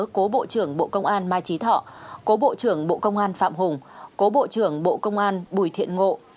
cố bộ trưởng bộ công an mai trí thọ cố bộ trưởng bộ công an phạm hùng cố bộ trưởng bộ công an bùi thiện ngộ